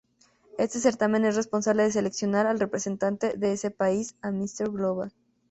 Este certamen es responsable de seleccionar al representante de ese país a Mister Global.